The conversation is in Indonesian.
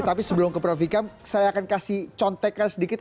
tapi sebelum ke prof ikam saya akan kasih contekan sedikit